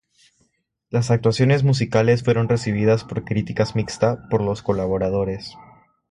Las actuaciones musicales fueron recibidas por críticas mixta por los colaboradores.